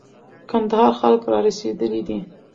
کندهار خلک را رسېدلي دي.